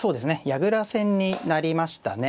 矢倉戦になりましたね。